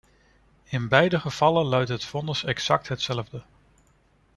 In beide gevallen luidt het vonnis exact hetzelfde.